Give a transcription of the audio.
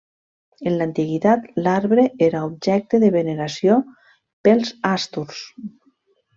En l'antiguitat l'arbre era objecte de veneració pels àsturs.